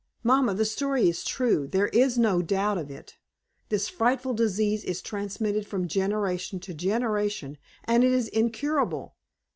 Mamma, the story is true; there is no doubt of it. This frightful disease is transmitted from generation to generation, and is incurable.